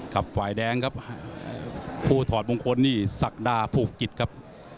ฝ่ายแดงครับผู้ถอดมงคลนี่ศักดาผูกกิจครับ